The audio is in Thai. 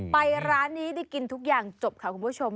ไปร้านนี้ได้กินทุกอย่างจบค่ะคุณผู้ชม